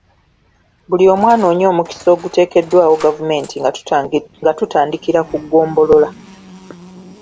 Buli omu anoonye omukisa oguteekeddwawo gavumenti nga tutandikira ku ggombolola.